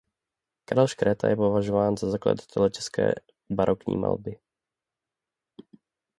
Karel Škréta je považován za zakladatele české barokní malby.